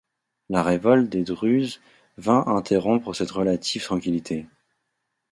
La révolte des Druzes vint interrompre cette relative tranquillité.